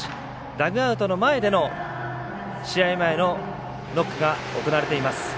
ダグアウトの前での試合前のノックが行われています。